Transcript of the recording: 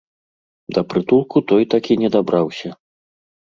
Да прытулку той так і не дабраўся.